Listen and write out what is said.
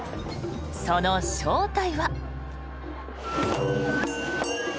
その正体は。